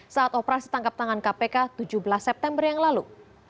saat operasi tangkap tangan kpk tujuh belas september yang lalu